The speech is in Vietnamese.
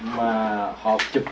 mà họ chụp